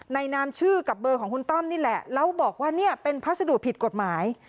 นามชื่อกับเบอร์ของคุณต้อมนี่แหละแล้วบอกว่าเนี่ยเป็นพัสดุผิดกฎหมาย